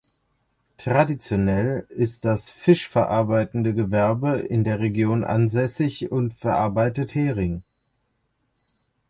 Traditionell ist das Fisch verarbeitende Gewerbe in der Region ansässig und verarbeitet Hering.